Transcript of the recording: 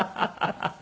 ハハハハ。